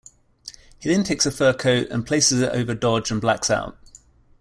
He then takes a fur coat and places it over Dodge and blacks out.